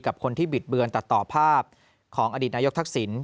กับคนที่บิดเบือนตัดต่อภาพของอดีตนายกทักษิณ